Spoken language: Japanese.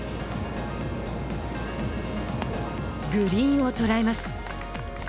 グリーンを捉えます。